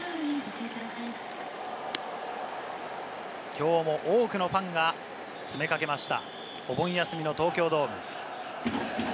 きょうも多くのファンが詰めかけました、お盆休みの東京ドーム。